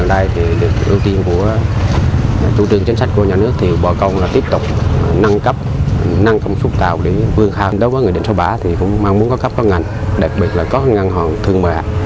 đặc biệt là có ngân hàng thương mệ hạng